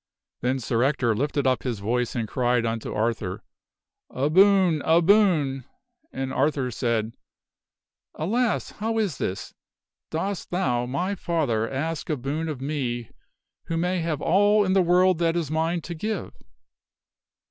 Then Sir Ector lifted up his voice and cried unto Arthur, " A boon ! a boon !" And Arthur said, " Alas ! how is this ? Dost thou, my father, ask a boon of me who may have all in the world that is mine to give?